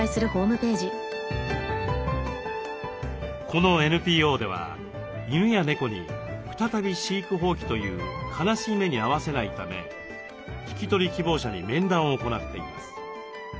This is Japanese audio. このＮＰＯでは犬や猫に再び飼育放棄という悲しい目に遭わせないため引き取り希望者に面談を行っています。